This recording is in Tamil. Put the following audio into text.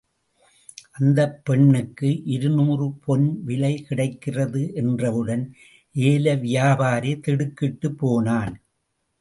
அந்தப் பெண்ணுக்கு இருநூறு பொன் விலை கிடைக்கிறது என்றவுடன், ஏலவியாபாரி திடுக்கிட்டுப் போனான்.